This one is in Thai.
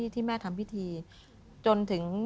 ที่แม่ทำพิธีจนถึง